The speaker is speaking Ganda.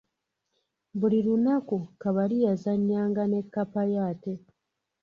Buli lunaku Kabali yazannya nga ne kkapa ye ate.